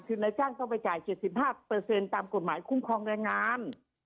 คือนายจ้างต้องไปจ่าย๗๕ตามกฎหมายคุ้มครองแรงงาน